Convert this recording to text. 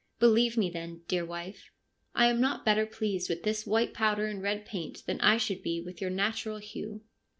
' Believe me, then, dear wife, I am not better pleased with this white powder and red paint than I should be with your natural hue.'